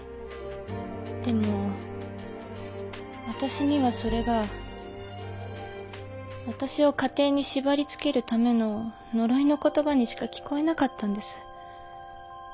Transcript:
でも私にはそれが私を家庭に縛り付けるための呪いの言葉にしか聞こえなかったんです。